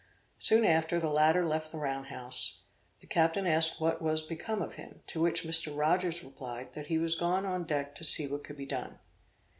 Soon after the latter left the round house, the captain asked what was become of him, to which Mr. Rogers replied, that he was gone on deck to see what could be done.